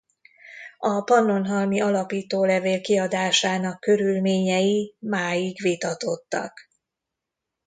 A pannonhalmi alapítólevél kiadásának körülményei máig vitatottak.